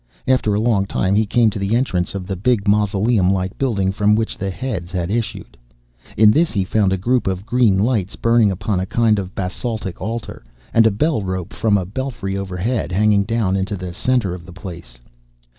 After a long time he came to the entrance of the big mausoleum like building from which the heads had issued. In this he found a group of green lights burning upon a kind of basaltic altar, and a bell rope from a belfry overhead hanging down into the centre of the place.